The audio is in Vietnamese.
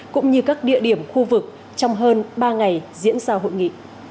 cũng như các địa điểm khu vực trong hơn ba ngày diễn ra hội nghị